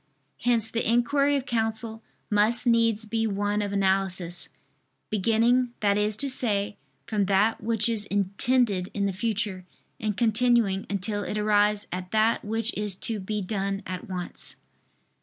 Hence the inquiry of counsel must needs be one of analysis, beginning that is to say, from that which is intended in the future, and continuing until it arrives at that which is to be done at once.